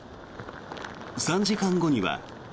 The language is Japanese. ３時間後には。